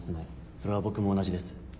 それは僕も同じです。